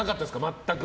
全く。